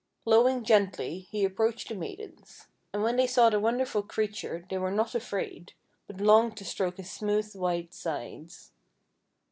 Lowing gently he approached the maidens. And when they saw the wonderful creature, 402 THE WONDER GARDEN they were not afraid, but longed to stroke his smooth white sides.